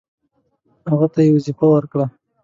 هغه ته یې وظیفه ورکړه.